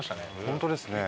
本当ですね。